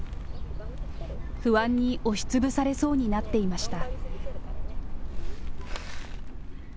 不安に押しつぶされそうになっていました。